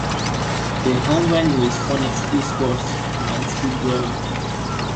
Their home venue is Phoenix Cue Sports, Mansfield Road.